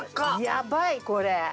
やばいこれ！